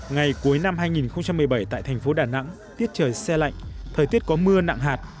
ngày cuối năm hai nghìn một mươi bảy tại thành phố đà nẵng tiết trời xe lạnh thời tiết có mưa nặng hạt